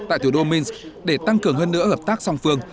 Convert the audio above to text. tại thủ đô minsk để tăng cường hơn nữa hợp tác song phương